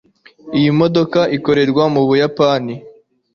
iyi modoka ikorerwa mu buyapani